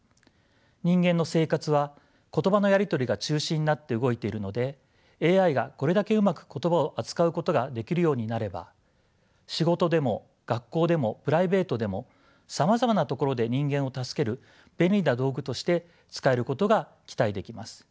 人間の生活は言葉のやり取りが中心になって動いているのでＡＩがこれだけうまく言葉を扱うことができるようになれば仕事でも学校でもプライベートでもさまざまなところで人間を助ける便利な道具として使えることが期待できます。